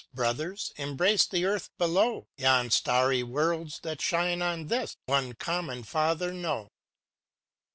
Brothers, embrace the earth below t Yon starry worlds that shine on this. One common Father know!